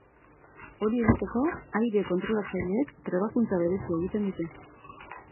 Hori egiteko, aire-kontrolatzaileek trebakuntza berezia egiten dute.